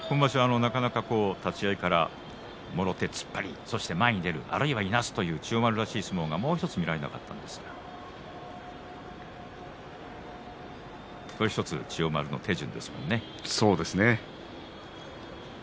なかなか立ち合いからもろ手、突っ張り前に出る、あるいはいなすという千代丸らしい相撲はいまひとつ見られなかったんですがそうですね。